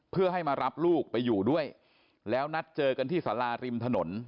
เพื่อให้มารับลูกไปอยู่ด้วยแล้วนัดเจอกันที่สาราริมถนน